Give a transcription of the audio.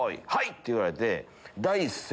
って言われて。